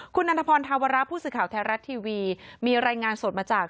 คุณนันทพรธาวระผู้สื่อข่าวไทยรัฐทีวีมีรายงานสดมาจาก